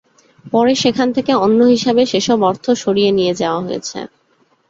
পরে সেখান থেকে অন্য হিসাবে সেসব অর্থ সরিয়ে নিয়ে যাওয়া হয়েছে।